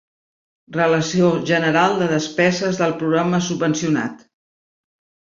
Relació general de despeses del programa subvencionat.